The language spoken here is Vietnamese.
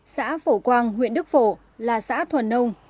xã phổ quang huyện đức phổ là xã thuần nông